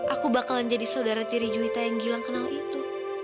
aku bakalan jadi saudara ciri juwita yang gilang kenal itu